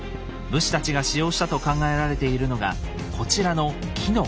武士たちが使用したと考えられているのがこちらの木の杭。